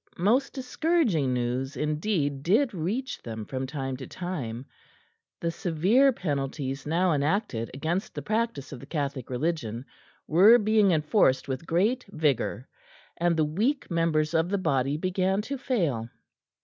Most discouraging news indeed did reach them from time to time. The severe penalties now enacted against the practice of the Catholic Religion were being enforced with great vigour, and the weak members of the body began to fail.